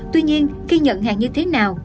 tuy nhiên khi nhận hàng như thế nào